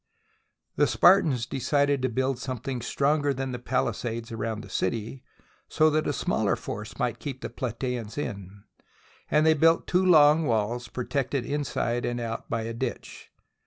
The Spartans decided to build something stronger than the palisades around the city, so that a smaller force might keep the Platseans in, and they built two long walls, protected inside and out by a ditch.